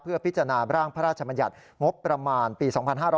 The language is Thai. พิจารณาร่างพระราชมัญญัติงบประมาณปี๒๕๕๙